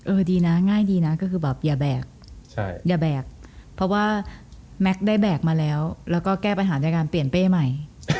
ดีนะง่ายดีนะก็คือแบบอย่าแบกอย่าแบกเพราะว่าแม็กซ์ได้แบกมาแล้วแล้วก็แก้ปัญหาด้วยการเปลี่ยนเป้ใหม่